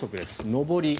上り。